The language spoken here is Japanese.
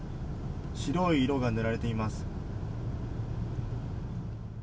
白い色が塗られています。